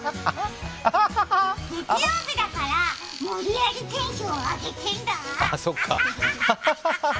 月曜日だから、無理やりテンション上げてんだ、アハハハ。